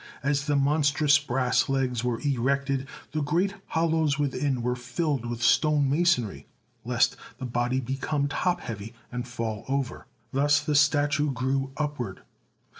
As the monstrous brass legs were erected, the great hollows within were filled with stone masonry, lest the body become top heavy and fall over. Thus the statue grew upward.